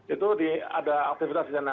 itu ada aktivitas di sana